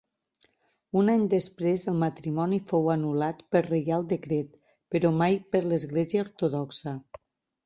Un any després el matrimoni fou anul·lat per reial decret però mai per l'església ortodoxa.